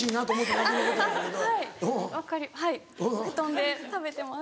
分かりはい布団で食べてます。